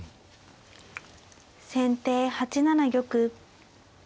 先手８七玉。